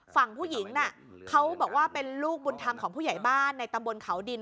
ฝั่งผู้หญิงน่ะเขาบอกว่าเป็นลูกบุญธรรมของผู้ใหญ่บ้านในตำบลเขาดิน